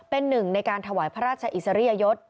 เป็นหนึ่งในการถวายพระราชอิสริยยศ